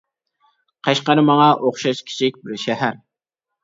قەشقەر ماڭا ئوخشاش كىچىك بىر شەھەر.